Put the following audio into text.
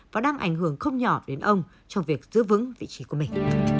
và đang ảnh hưởng không nhỏ đến ông trong việc giữ vững vị trí của mình